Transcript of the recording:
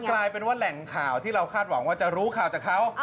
กลายเป็นว่าแหล่งข่าวที่เราคาดหวังว่าจะรู้ข่าวจากเขา